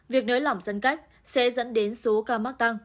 việc nới lỏng giãn cách sẽ dẫn đến số ca mắc tăng